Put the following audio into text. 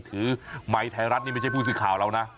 ถือไหมไทยรัฐนี่ไม่ใช่ผู้สื่อข่าวแล้วนะ